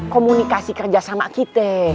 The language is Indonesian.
komunikasi kerja sama kita